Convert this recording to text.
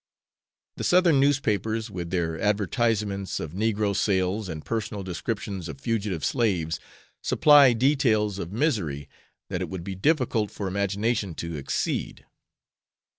The Southern newspapers, with their advertisements of negro sales and personal descriptions of fugitive slaves, supply details of misery that it would be difficult for imagination to exceed.